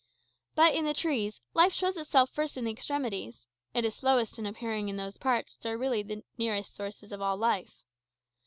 But, in the trees, life shows itself first in the extremities; it is slowest in appearing in those parts which are really nearest the sources of all life.